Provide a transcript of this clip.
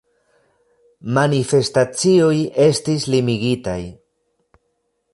Manifestacioj estis limigitaj.